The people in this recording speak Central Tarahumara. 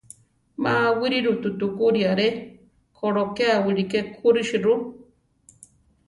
Má awíriru tutugurí aré; kolokéa wiliké kúrusi ru.